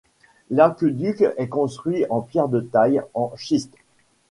L'aqueduc est construit en pierres de taille en schiste.